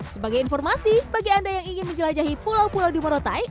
sebagai informasi bagi anda yang ingin menjelajahi pulau pulau di morotai